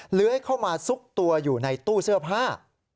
เลื้อยเข้ามาซุกตัวอยู่ในตู้เสื้อผ้า